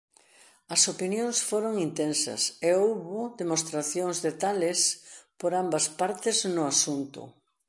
As opinións foron intensas e houbo demostracións de tales por ambas partes no asunto.